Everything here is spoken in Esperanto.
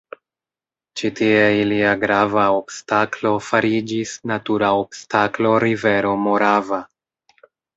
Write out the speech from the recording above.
Ĉi tie ilia grava obstaklo fariĝis natura obstaklo rivero Morava.